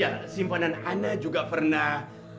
ya simpanan ana juga pernah